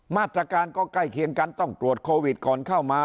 มาตรการก็ใกล้เคียงกันต้องตรวจโควิดก่อนเข้ามา